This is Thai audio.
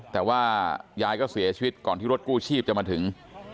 แต่ว่ายายก็เสียชีวิตก่อนที่รถกู้ชีพจะมาถึง